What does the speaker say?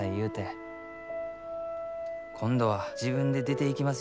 今度は自分で出ていきます